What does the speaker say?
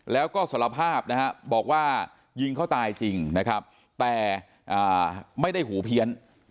แล้วก็สารภาพนะฮะบอกว่ายิงเขาตายจริงนะครับแต่ไม่ได้หูเพี้ยน